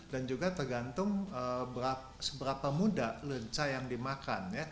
dan juga tergantung seberapa muda lenca yang dimakan